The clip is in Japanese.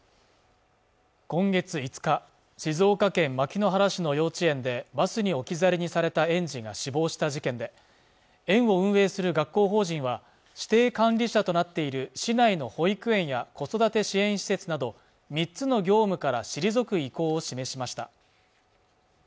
今月５日静岡県牧之原市の幼稚園でバスに置き去りにされた園児が死亡した事件で園を運営する学校法人は指定管理者となっている市内の保育園や子育て支援施設など３つの業務から退く意向を示しました